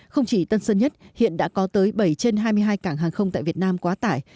không chỉ tân sơn nhất hiện đã có tới bảy trên hai mươi hai cảng hàng không tại việt nam quá tải